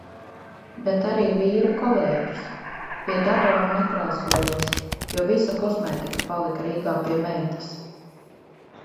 Bet arī vīra kolēģus. Pie datora nekrāsojos, jo visa kosmētika palika Rīgā pie meitas.